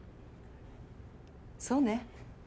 そうね。